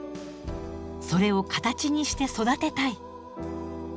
それを形にして育てたい。